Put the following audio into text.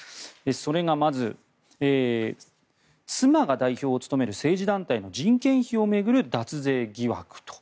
それがまず妻が代表を務める政治団体の人件費を巡る脱税疑惑と。